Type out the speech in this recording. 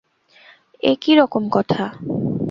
এ কী রকম কথা?